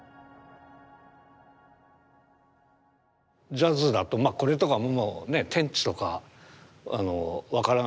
「ジャズ」だとこれとかもうね天地とか分からなくて。